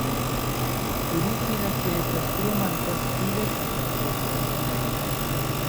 Ili diras ke estas tro malfacile flugi dum longa tempo.